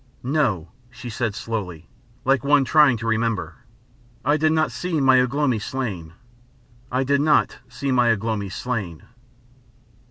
"No," she said slowly, like one trying to remember, "I did not see my Ugh lomi slain. I did not see my Ugh lomi slain."